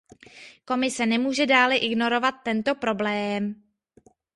Komise nemůže dále ignorovat tento problém.